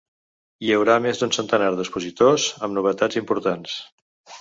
Hi haurà més d’un centenar d’expositors, amb novetats importants.